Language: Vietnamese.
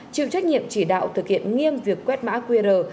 chịu trách nhiệm chỉ đạo thực hiện nghiêm việc quét mã qr